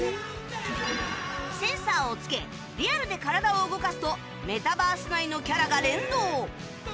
センサーをつけリアルで体を動かすとメタバース内のキャラが連動